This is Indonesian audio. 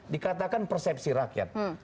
dikatakan persepsi rakyat